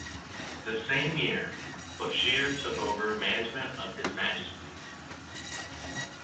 The same year, Bourchier took over management of His Majesty's.